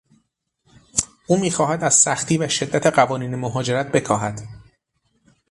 او میخواهد از سختی و شدت قوانین مهاجرت بکاهد.